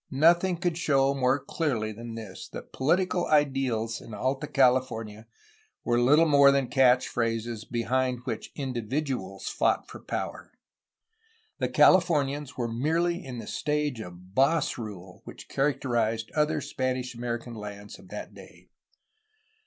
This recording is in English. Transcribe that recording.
Nothing could show more clearly than this that political ideals in Alta California were Httle more than catch phrases behind which individuals fought for power. The Calif omians were merely in the stage of boss rule which characterized other Spanish American lands of that day.